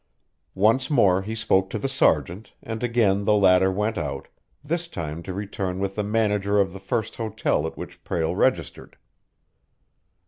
Once more he spoke to the sergeant, and again the latter went out, this time to return with the manager of the first hotel at which Prale registered.